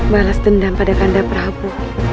balas dendam pada kandang prabu